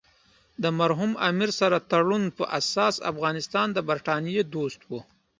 د مرحوم امیر سره تړون په اساس افغانستان د برټانیې دوست وو.